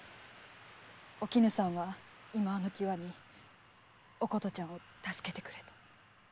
お絹さんは今際の際に「お琴ちゃんを助けてくれ」と。